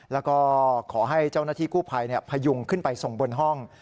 แล้วก็ขอให้เจ้าหน้าที่กู้ภัยพยุงขึ้นไปส่งบนห้อง